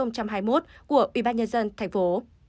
hai một mươi hai hai nghìn hai mươi một của ủy ban nhân dân thành phố